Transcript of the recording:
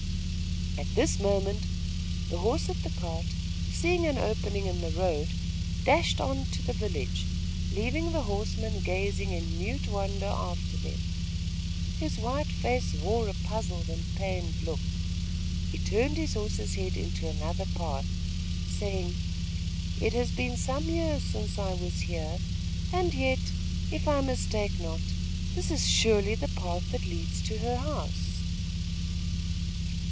At this moment, the horse at the cart, seeing an opening in the road, dashed on to the village, leaving the horseman gazing in mute wonder after them. His white face wore a puzzled and pained look. He turned his horse's head into another path, saying: "It has been some years since I was here, and yet, if I mistake not, this is surely the path that leads to her house."